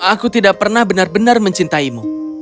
aku tidak pernah benar benar mencintaimu